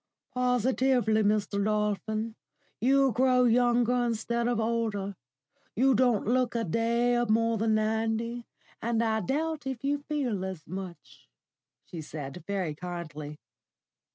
"Positively, Mr. Dolphin, you grow younger instead of older. You don't look a day more than ninety, and I doubt if you feel as much," she said, very kindly.